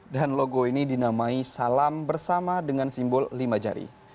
dan logo ini dinamai salam bersama dengan simbol lima jari